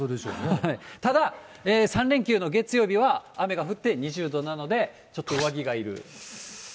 ただ、３連休の月曜日は雨が降って２０度なので、ちょっと上着がいる。